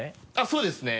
そうですね